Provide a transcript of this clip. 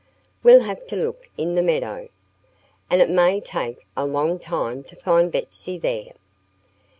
"We'll have to look in the meadow. And it may take a long time to find Betsy there."